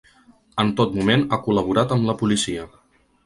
En tot moment ha col·laborat amb la policia.